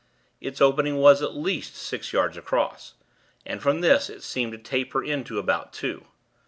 Its opening was, at least, six yards across; and, from this, it seemed to taper into about two.